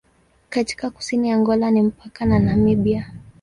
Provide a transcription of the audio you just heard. Katika kusini ya Angola ni mpaka na Namibia.